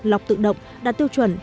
lọc tự động đạt tiêu chuẩn